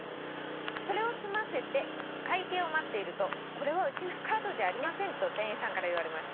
「それを済ませて会計を持っていると『これはうちのカードじゃありません』と店員さんから言われました。